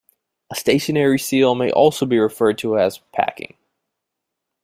A stationary seal may also be referred to as 'packing'.